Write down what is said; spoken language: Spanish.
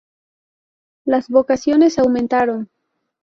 Las vocaciones aumentaron.